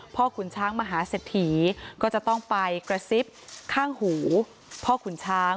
ขุนช้างมหาเศรษฐีก็จะต้องไปกระซิบข้างหูพ่อขุนช้าง